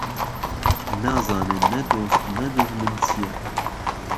نازانێ نه دۆست نه دوژمن چییه